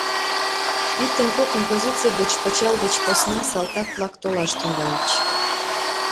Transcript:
Иктын-коктын позиций гыч пычал деч посна салтак-влак толаш тӱҥальыч.